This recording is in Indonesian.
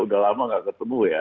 udah lama nggak ketemu ya